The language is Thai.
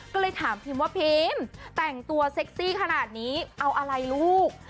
ก็เลยถามพิมว่าพิมแต่งตัวเซ็กซี่ขนาดนี้เอาอะไรลูก